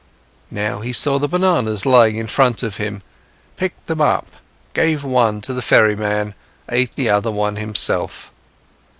Now he saw the bananas lying in front of him, picked them up, gave one to the ferryman, ate the other one himself.